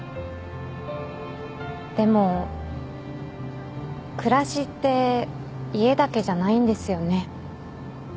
でも暮らしって家だけじゃないんですよね。